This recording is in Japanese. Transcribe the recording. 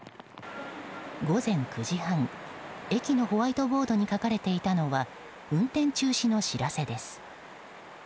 午前９時半駅のホワイトボードに書かれていたのは運転中止の知らせです。